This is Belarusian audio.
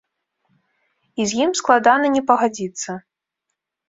І з ім складана не пагадзіцца.